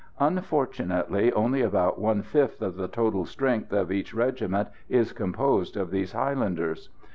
Unfortunately, only about one fifth of the total strength of each regiment is composed of these highlanders.